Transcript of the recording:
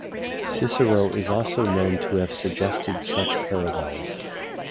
Cicero is also known to have suggested such parallels.